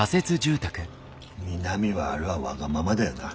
美波はあれはわがままだよな。